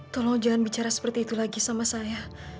tolong jangan bicara seperti itu lagi sama saya